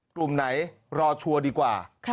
กลุ่มไหนรอชัวร์ดีกว่า